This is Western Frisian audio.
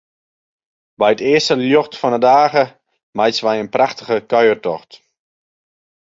By it earste ljocht fan 'e dage meitsje wy in prachtige kuiertocht.